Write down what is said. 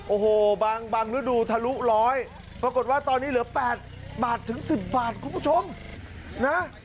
โอ้โหบางฤดูทะลุร้อยปรากฏว่าตอนนี้เหลือ๘บาทถึง๑๐บาทคุณผู้ชมนะ